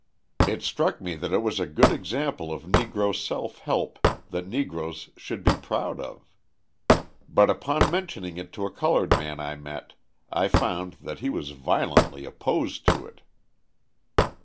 It struck me that it was a good example of Negro self help that Negroes should be proud of. But upon mentioning it to a coloured man I met I found that he was violently opposed to it.